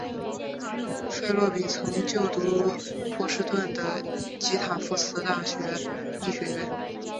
费洛比曾就读波士顿的及塔夫茨大学医学院。